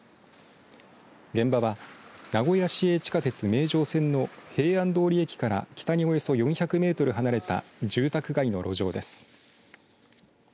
現場は名古屋市営地下鉄名城線の平安通駅から北におよそ４００メートル離れた住宅街の路上です。